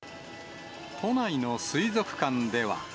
都内の水族館では。